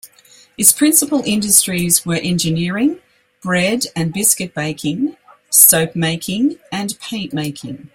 Its principal industries were engineering, bread and biscuit baking, soap-making and paint-making.